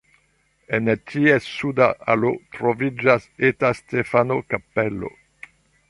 En ties suda alo troviĝas eta Stefano-kapelo.